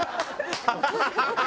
「ハハハハ！」